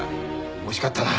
惜しかったな。